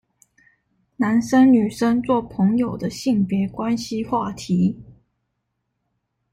男生女生做朋友的性別關係話題